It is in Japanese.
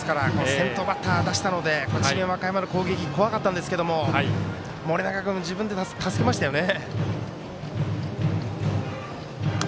先頭バッター、出したので智弁和歌山の攻撃怖かったんですけれども盛永君、自分で助けましたよね。